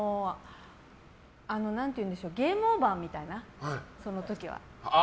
ゲームオーバーみたいなその時は。